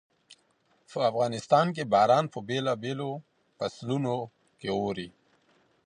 په افغانستان کې باران په بېلابېلو فصلونو کې اوري.